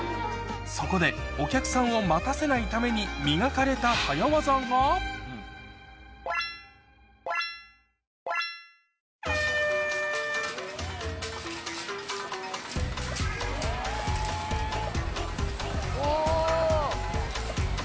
そこでお客さんを待たせないために磨かれたおぉ！